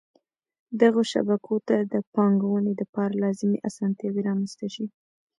دغو شبکو ته د پانګوني دپاره لازمی اسانتیاوي رامنځته شي.